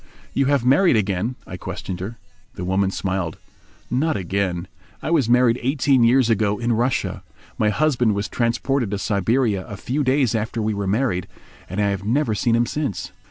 "You have married again?" I questioned her. The woman smiled. "Not again. I was married eighteen years ago in Russia. My husband was transported to Siberia a few days after we were married, and I have never seen him since."